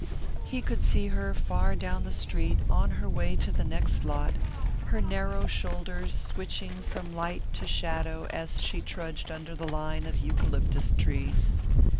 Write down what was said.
He could see her far down the street, on her way to the next lot, her narrow shoulders switching from light to shadow as she trudged under the line of eucalyptus trees.